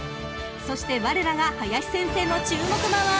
［そしてわれらが林先生の注目馬は］